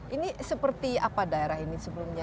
ini seperti apa daerah ini sebelumnya